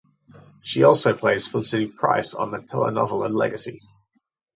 She also plays Felicity Price on the telenovela Legacy.